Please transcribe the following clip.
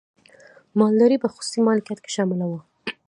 مالداري په خصوصي مالکیت کې شامله وه.